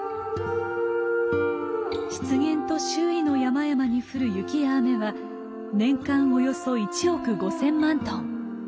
湿原と周囲の山々に降る雪や雨は年間およそ１億５，０００万トン。